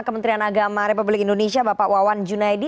kementerian agama republik indonesia bapak wawan junaidi